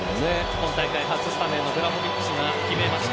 今大会、初スタメンのヴラホヴィッチが決めました。